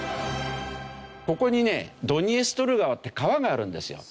ここにねドニエストル川って川があるんですよ。